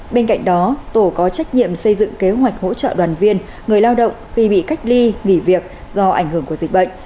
bên cạnh đó tổ có trách nhiệm xây dựng kế hoạch hỗ trợ đoàn viên người lao động khi bị cách ly nghỉ việc do ảnh hưởng của dịch bệnh